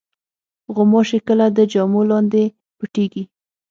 غوماشې کله د جامو لاندې پټېږي.